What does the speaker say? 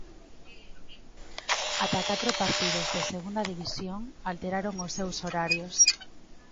Ata catro partidos de Segunda División alteraron os seus horarios.